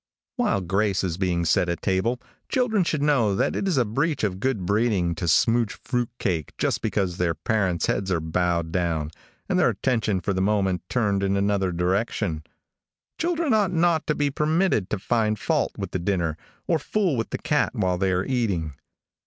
While grace is being said at table, children should know that it is a breach of good breeding to smouge fruit cake just because their parents' heads are bowed down, and their attention for the moment turned in another direction. Children ought not to be permitted to find fault with the dinner, or fool with the cat while they are eating.